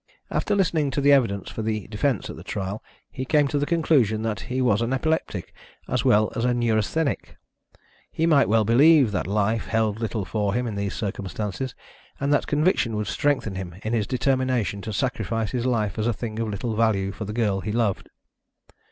After listening to the evidence for the defence at the trial, he came to the conclusion that he was an epileptic as well as a neurasthenic. He might well believe that life held little for him in these circumstances, and that conviction would strengthen him in his determination to sacrifice his life as a thing of little value for the girl he loved."